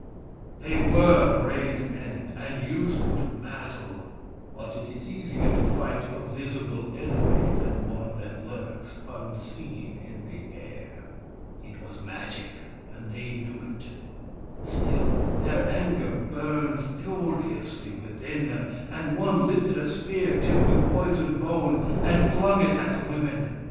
They were brave men, and used to battle, but it is easier to fight a visible enemy than one that lurks, unseen, in the air. It was Magic, and they knew it. Still, their anger burned furiously within them, and one lifted a spear tipped .;,32 WURIP, THE FIRE BRINGER with poisoned bone, and flung it at the women.